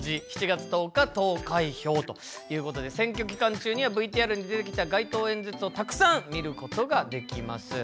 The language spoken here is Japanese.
７月１０日投開票ということで選挙期間中にはＶＴＲに出てきた街頭演説をたくさん見ることができます。